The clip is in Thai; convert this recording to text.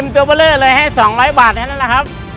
ตัวเบอร์เลอร์เลยให้๒๐๐บาทนั้นครับ